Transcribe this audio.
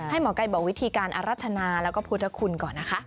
หมอไก่บอกวิธีการอรัฐนาแล้วก็พุทธคุณก่อนนะคะ